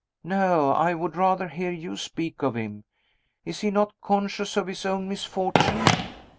"No! I would rather hear you speak of him. Is he not conscious of his own misfortune?"